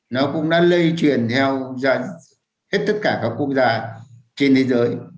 nó cũng đã lây truyền theo dạng hết tất cả các quốc gia trên thế giới